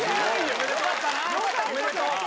よかったな！